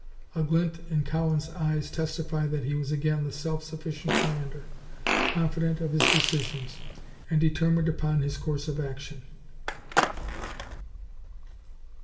A glint in Cowan's eyes testified that he was again the self sufficient commander, confident of his decisions and determined upon his course of action.